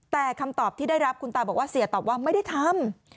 แต่คำตอบที่ได้รับคุณตาบอกว่าเสียตอบว่าไม่ได้ทำ